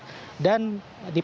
dan dipaksa pada tanggal kemarin